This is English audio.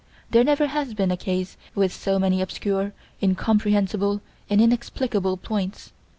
There never has been a case with so many obscure, incomprehensible, and inexplicable points.